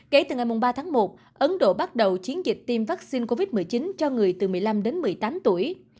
kể từ ngày ba tháng một ấn độ bắt đầu chiến dịch tiêm vaccine covid một mươi chín cho người từ một mươi năm đến một mươi tám tuổi